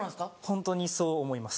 ホントにそう思います。